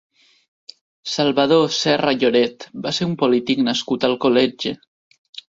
Salvador Serra Lloret va ser un polític nascut a Alcoletge.